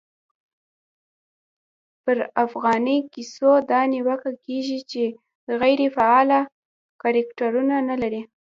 پرا فغانۍ کیسو دا نیوکه کېږي، چي غیري فعاله کرکټرونه لري.